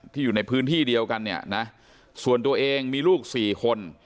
ที่อยู่ในพื้นที่เดียวกันส่วนตัวเองมีลูก๔คน